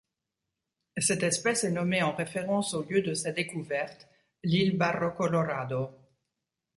Cette espèce est nommée en référence au lieu de sa découverte, l'île Barro Colorado.